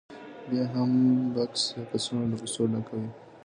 بیا یې هم بکس یا کڅوړه له پیسو ډکه وي